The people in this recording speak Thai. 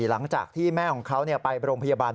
หลังจากที่แม่ของเขาไปโรงพยาบาล